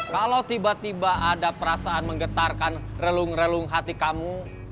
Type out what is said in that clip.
kalau tiba tiba ada perasaan menggetarkan relung relung hati kamu